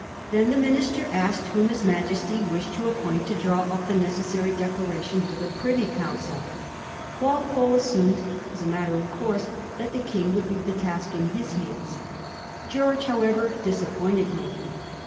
Then the minister asked whom his Majesty wished to appoint to draw up the necessary declaration for the Privy Council. Walpole assumed as a matter of course that the King would leave the task in his hands. Geoige, however, dis appointed him.